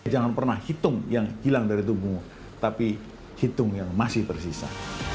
jangan pernah hitung yang hilang dari tubuhmu tapi hitung yang masih tersisa